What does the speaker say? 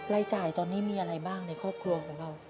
รายจ่ายตอนนี้มีอะไรบ้างในครอบครัวของเรา